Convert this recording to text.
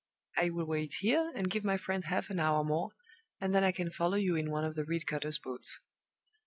I will wait here, and give my friend half an hour more, and then I can follow you in one of the reed cutters' boats."